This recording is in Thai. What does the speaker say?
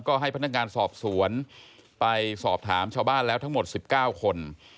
ก็ให้พนักงานสอบสวนไปสอบถามชาวบ้านแล้วทั้งหมด๑๙คน